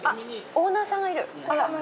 オーナーさんがいる？